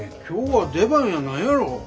今日は出番やないやろ。